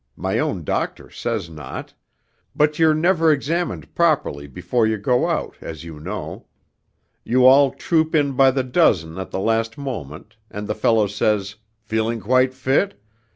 my own doctor says not ... but you're never examined properly before you go out, as you know.... You all troop in by the dozen at the last moment ... and the fellow says, "Feeling quite fit?..."